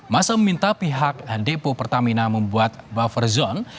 masa meminta pihak depo pertamina membuat buffer zone